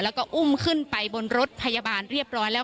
แล้วก็อุ้มขึ้นไปบนรถพยาบาลเรียบร้อยแล้ว